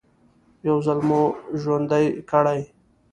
يو ځل مو ژوندي کړي.